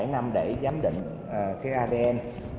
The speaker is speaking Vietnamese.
bảy năm để giám định cái adn